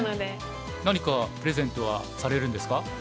何かプレゼントはされるんですか？